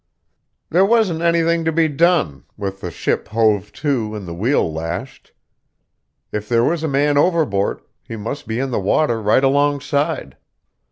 There wasn't anything to be done, with the ship hove to and the wheel lashed. If there was a man overboard, he must be in the water right alongside.